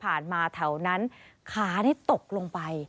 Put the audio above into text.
ผ่านมาแถวนั้นขาได้ตกลงไป